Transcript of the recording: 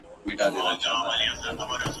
درز به واچوي سينو کي ..